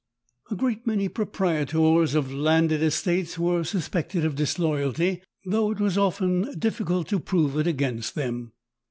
A great many proprietors of landed estates were suspeeted of disloyalty, though it was often diffieult to prove it against them.